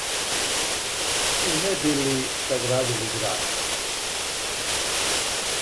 "И не би ли саградили града."